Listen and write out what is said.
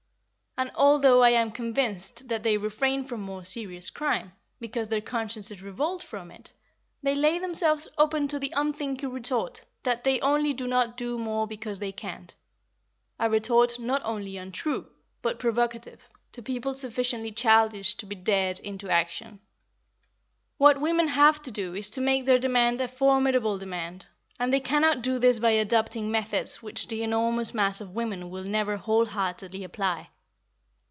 And although I am convinced that they refrain from more serious crime, because their consciences revolt from it, they lay themselves open to the unthinking retort that they only do not do more because they can't; a retort not only untrue, but provocative, to people sufficiently childish to be "dared" into action. What women have to do is to make their demand a formidable demand, and they cannot do this by adopting methods which the enormous mass of women will never whole heartedly apply.